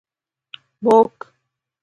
book